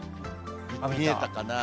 見えたかな？